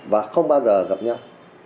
và không bao giờ gặp nhau